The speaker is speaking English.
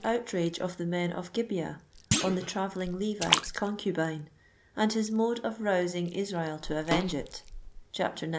104 outrage of the men of Gibeah on the travelling* Levite's concu bine, and his mode of rousing Israel to avenge it ; (xix.